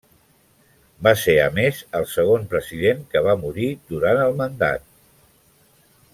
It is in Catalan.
Va ser, a més, el segon president que va morir durant el mandat.